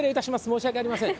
申し訳ありません。